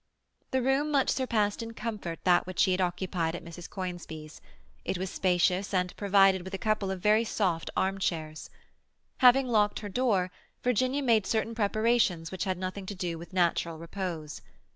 The room much surpassed in comfort that which she had occupied at Mrs. Conisbee's; it was spacious, and provided with a couple of very soft armchairs. Having locked her door, Virginia made certain preparations which had nothing to do with natural repose.